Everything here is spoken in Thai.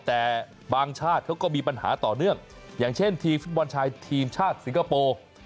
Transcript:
แต่บางชาติเขาก็มีปัญหาต่อเนื่องอย่างเช่นทีมฟุตบอลชายทีมชาติสิงคโปร์